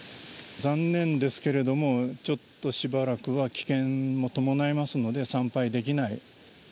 残念ですけれども、ちょっとしばらくは危険も伴いますので、参拝できない。